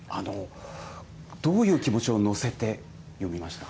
どういう気持ちを乗せて詠みましたか。